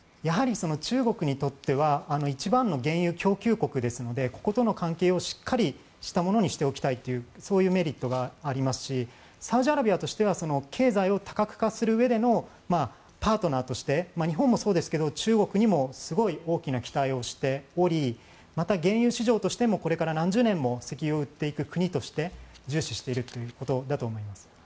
中国にとっては一番の原油供給国ですのでこことの関係をしっかりしたものにしておきたいというメリットがありますしサウジアラビアとしては経済を多角化するうえでのパートナーとして日本もそうですけど中国にもすごい大きな期待をしておりまた、原油市場としてもこれから何十年も石油を売っていく国として重視しているということだと思います。